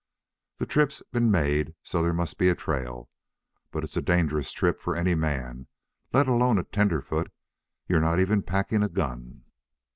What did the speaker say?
The trip's been made, so there must be a trail. But it's a dangerous trip for any man, let alone a tenderfoot. You're not even packing a gun."